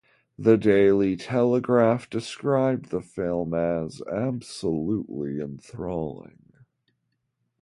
"The Daily Telegraph" described the film as "absolutely enthralling".